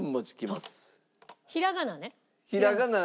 ひらがなね。